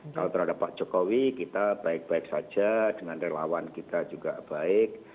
kalau terhadap pak jokowi kita baik baik saja dengan relawan kita juga baik